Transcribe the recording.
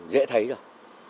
dễ thấy rồi